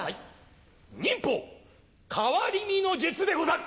忍法変わり身の術でござる！